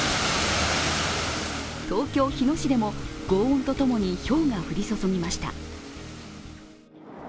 東京・日野市でもごう音とともにひょうが降り注ぎました。